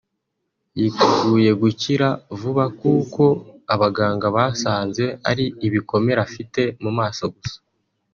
yiteguye gukira vuba kuko abaganga basanze ari ibikomere afite mu maso gusa